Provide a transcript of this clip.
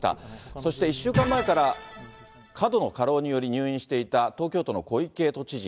そして、１週間前から過度の過労により、入院していた東京都の小池都知事。